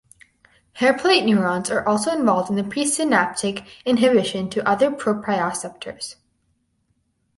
Hair plate neurons are also involved in the presynaptic inhibition to other proprioceptors.